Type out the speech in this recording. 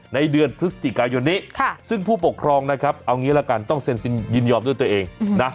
ในเดือนพฤศจิกายนนี้ซึ่งผู้ปกครองเอาอย่างนี้ก็ต้องเซ็นสินยินยอมด้วยตัวเอง